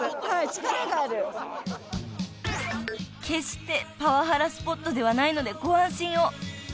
［決してパワハラスポットではないのでご安心を］